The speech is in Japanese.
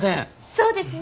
そうですね！